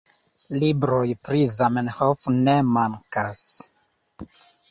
Libroj pri Zamenhof ne mankas.